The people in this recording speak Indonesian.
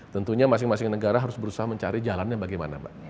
tentunya masing masing negara harus berusaha mencari jalannya bagaimana mbak